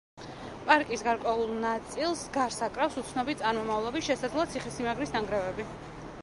პარკის გარკვეულ ნაწილს გარს აკრავს უცნობი წარმომავლობის, შესაძლოა ციხესიმაგრის ნანგრევები.